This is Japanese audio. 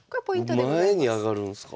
前に上がるんすか？